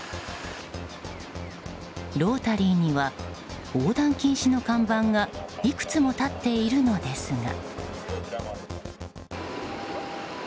ロータリーには横断禁止の看板がいくつも立っているのですが。